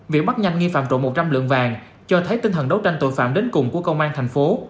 việc bắt nhanh nghi phạm trộm một trăm linh lượng vàng cho thấy tinh thần đấu tranh tội phạm đến cùng của công an thành phố